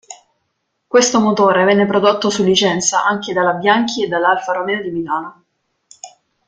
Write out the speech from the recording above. Questo motore venne prodotto su licenza anche dalla Bianchi e dall'Alfa Romeo Milano.